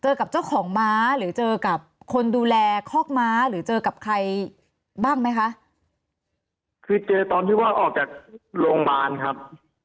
กับเจ้าของม้าหรือเจอกับคนดูแลคอกม้าหรือเจอกับใครบ้างไหมคะคือเจอตอนที่ว่าออกจากโรงพยาบาลครับ